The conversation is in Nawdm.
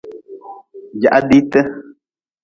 Jaha diite.